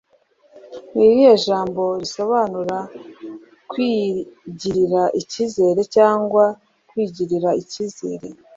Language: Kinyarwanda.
Ni irihe jambo risobanura kwigirira icyizere cyangwa kwigirira icyizere